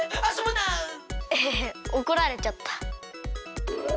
ヘヘヘおこられちゃった。